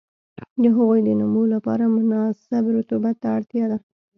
د هغوی د نمو لپاره مناسب رطوبت ته اړتیا ده.